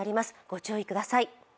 ご注意ください。